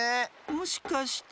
もしかして。